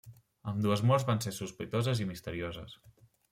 Ambdues morts van ser sospitoses i misterioses.